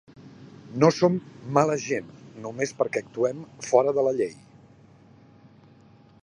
No som mala gent només perquè actuem fora de la llei.